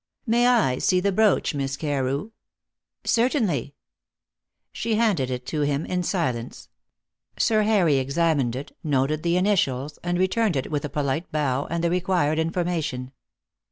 "May I see the brooch, Miss Carew?" "Certainly." She handed it to him in silence. Sir Harry examined it, noted the initials, and returned it with a polite bow and the required information.